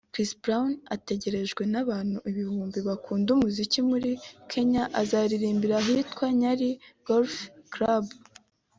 Chris Brown utegerejwe n’abantu ibihumbi bakunda umuziki muri Kenya azaririmbira ahitwa Nyali Golf club